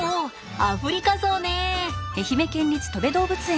アフリカゾウね。